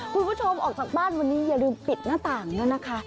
คุณผู้ชมออกจากบ้านวันนี้อย่าลืมปิดหน้าต่างด้วยนะคะ